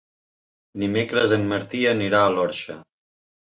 Dimecres en Martí anirà a l'Orxa.